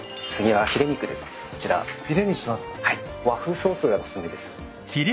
和風ソースがお薦めです。